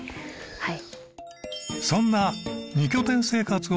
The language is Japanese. はい。